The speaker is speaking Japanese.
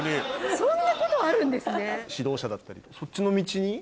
そんなことあるんですね。